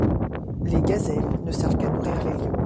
Les gazelles ne servent qu'à nourrir les lions.